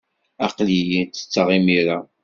Aql-iyi ttetteɣ imir-a.